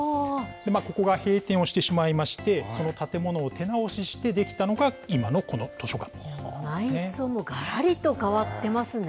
ここが閉店をしてしまいまして、その建物を手直しして出来たのが、内装もがらりと変わってます